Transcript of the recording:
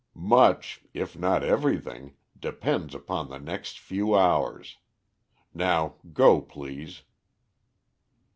Much, if not everything, depends upon the next few hours. Now go, please."